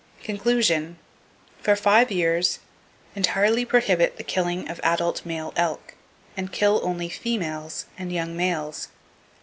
Conclusion:—For five years, entirely prohibit the killing of adult male elk, and kill only females, and young males.